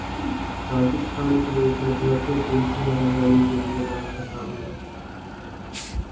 ساجد خان کو ایک مرتبہ پھر جنسی ہراسانی کے الزامات کا سامنا